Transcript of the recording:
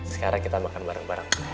sekarang kita makan bareng bareng